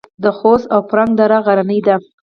د خوست او فرنګ دره غرنۍ ده